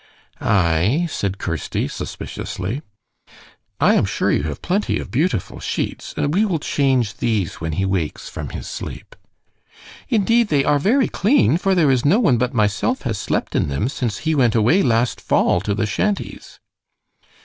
"Aye," said Kirsty, suspiciously. "I am sure you have plenty of beautiful sheets, and we will change these when he wakes from his sleep." "Indeed, they are very clean, for there is no one but myself has slept in them since he went away last fall to the shanties."